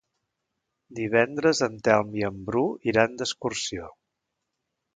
Divendres en Telm i en Bru iran d'excursió.